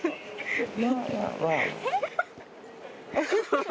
ハハハ！